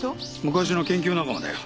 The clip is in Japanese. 昔の研究仲間だよ。